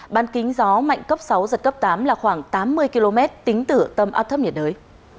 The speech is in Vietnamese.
ban kính gió mạnh cấp sáu giật cấp tám là khoảng tám mươi km tính từ tâm áp thấp nhiệt đới